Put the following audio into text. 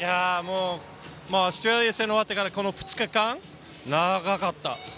オーストラリア戦が終わってからこの２日間、長かった。